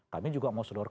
kami juga mau seluruh orang